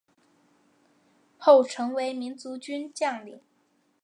后成为民族军将领。